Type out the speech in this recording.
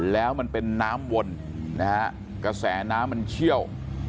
แล้วมันเป็นน้ำวนนะฮะกระแสน้ำมันเชี่ยว